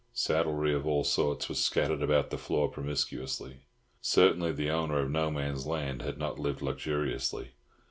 Saddlery of all sorts was scattered about the floor promiscuously. Certainly the owner of No Man's Land had not lived luxuriously.